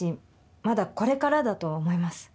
まだこれからだとは思います。